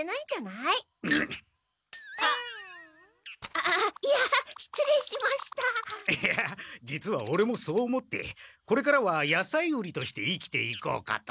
いや実はオレもそう思ってこれからは野菜売りとして生きていこうかと。